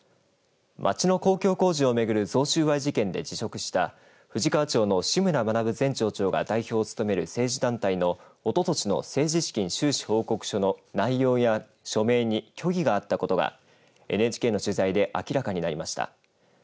町の公共工事をめぐる贈収賄事件で辞職した富士川町の志村学前町長が代表を務める政治団体の、おととしの政治資金収支報告書の内容や署名に虚偽があったことがＮＨＫの取材で明らかになりました。